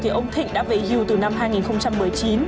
thì ông thịnh đã về yu từ năm hai nghìn một mươi chín